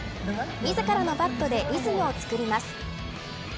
自らのバットでリズムを作ります。